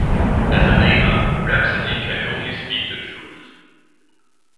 As a Namer, Rhapsody, can only speak the truth.